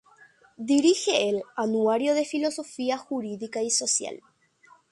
Dirige el "Anuario de Filosofía Jurídica y Social".